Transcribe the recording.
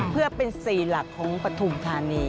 เพื่อเป็น๔หลักของปฐุมธานี